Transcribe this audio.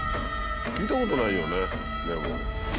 聞いたことないよねでも。